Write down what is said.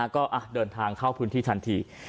ก็เดินทางเข้าพื้นที่ทันที